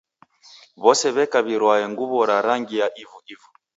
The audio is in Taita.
W'ose w'eka w'irwae nguw'o ra rangi ya ivu-ivu.